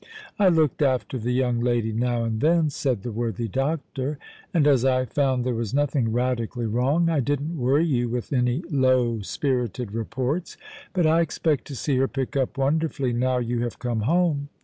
" I looked after the young lady now and then," said the worthy doctor, " and as I found there was nothing radically wrong, I didnt worry you with any low spirited reports ; but I expect to see her pick up wonderfully now you have come home.